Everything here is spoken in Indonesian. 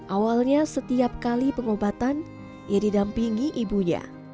awalnya setiap kali pengobatan ia didampingi ibunya